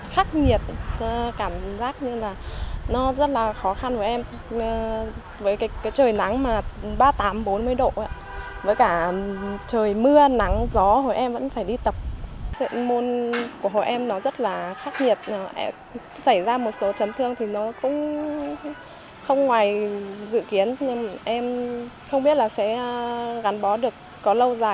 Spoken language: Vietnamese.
không ngoài dự kiến em không biết là sẽ gắn bó được có lâu dài hay không nhưng mà em vẫn sẽ cố gắng hết sức